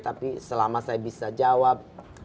tapi selama saya bisa jawab